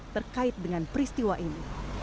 terkait dengan peristiwa ini